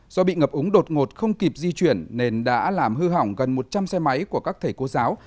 do bị ngập úng đột ngột không kịp di chuyển nên đã làm hư hỏng gần một trăm linh xe máy của các thầy cô giáo